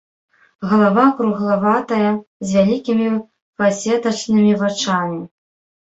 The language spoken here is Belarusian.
Галава круглаватая з вялікімі фасетачнымі вачамі.